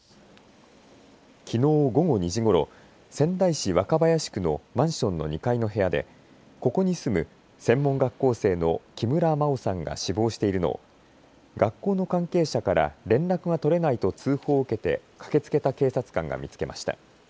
きのう午後２時ごろ仙台市若林区のマンションの２階の部屋でここに住む専門学校生の木村真緒さんが死亡しているのを学校の関係者から連絡が取れないと通報を受けて駆けつけた警察官が見つけました。